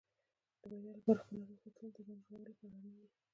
د بریا لپاره خپل هدف ته تلل د ژوند د جوړولو لپاره اړین دي.